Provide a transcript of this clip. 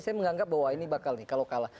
saya menganggap bahwa ini bakal nih kalau kalah